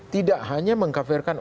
tidak hanya mengkafirkan